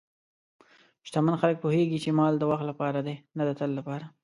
شتمن خلک پوهېږي چې مال د وخت لپاره دی، نه د تل لپاره.